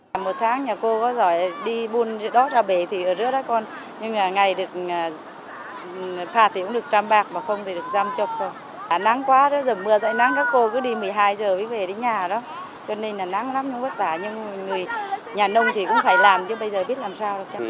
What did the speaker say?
vì nhà nông thì cũng phải làm chứ bây giờ biết làm sao